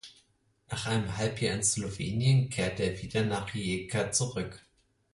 Nach einem Halbjahr in Slowenien kehrte er wieder nach Rijeka zurück.